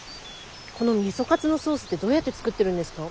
このみそカツのソースってどうやって作ってるんですか？